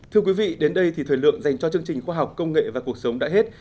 thưa quý vị đến đây thì thời lượng dành cho chương trình khoa học công nghệ và cuộc sống đã hết